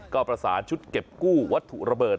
ก็ประสานชุดเก็บกู้วัตถุระเบิด